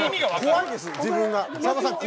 怖いです自分が。